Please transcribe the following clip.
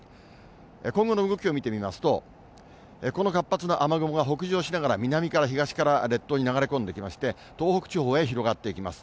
今後の動きを見てみますと、この活発な雨雲が北上しながら、南から東から列島に流れ込んできまして、東北地方へ広がっていきます。